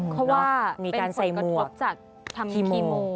เพราะว่ามีการใส่หมวกคิโม